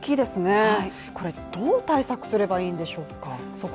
これ、どう対策すればいいんでしょうか？